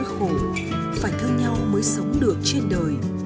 khổ phải thương nhau mới sống được trên đời